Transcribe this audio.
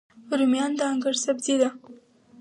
رومیان د انګړ سبزي ده